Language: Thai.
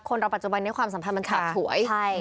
คนเราปัจจุบันในความสัมพันธ์มันขาดถ่วย